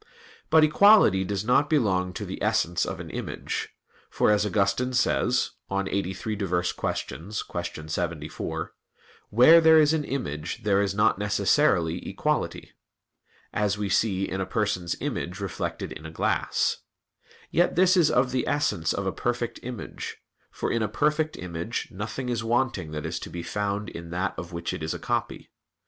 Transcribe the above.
But equality does not belong to the essence of an image; for as Augustine says (QQ. 83, qu. 74): "Where there is an image there is not necessarily equality," as we see in a person's image reflected in a glass. Yet this is of the essence of a perfect image; for in a perfect image nothing is wanting that is to be found in that of which it is a copy.